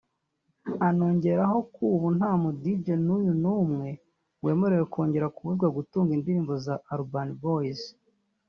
anongeraho ko ubu nta mu Dj n’uyu numwe wemerewe kongera kubuzwa gutunga indirimbo za Urban Boys